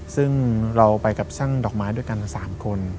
ซึ่งเราไปกับช่างดอกไม้ด้วยกัน๓คน